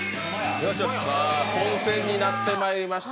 混戦になってまいりました。